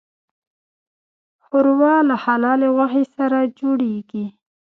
ښوروا له حلالې غوښې سره جوړیږي.